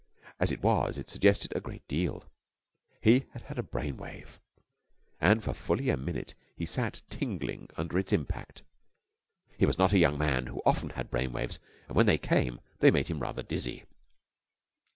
As it was it suggested a great deal. He had had a brain wave, and for fully a minute he sat tingling under its impact. He was not a young man who often had brain waves, and, when they came, they made him rather dizzy.